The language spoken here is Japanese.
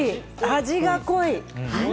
味が濃い！